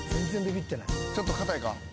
ちょっと硬いか。